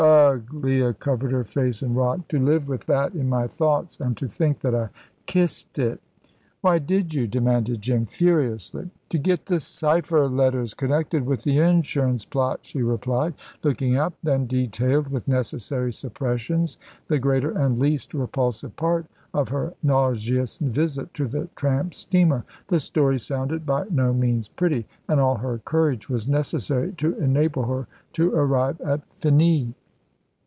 "Ugh!" Leah covered her face and rocked. "To live with that in my thoughts, and to think that I kissed It." "Why did you?" demanded Jim, furiously. "To get the cypher letters connected with the insurance plot," she replied, looking up; then detailed with necessary suppressions the greater and least repulsive part of her nauseous visit to the tramp steamer. The story sounded by no means pretty, and all her courage was necessary to enable her to arrive at finis.